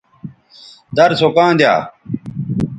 در سو کاں دیا